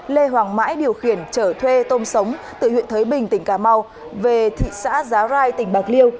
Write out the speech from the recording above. lê hoàng mãi điều khiển trở thuê tôm sống từ huyện thới bình tỉnh cà mau về thị xã giá rai tỉnh bạc liêu